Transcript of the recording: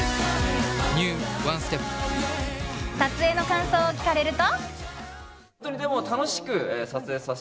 撮影の感想を聞かれると。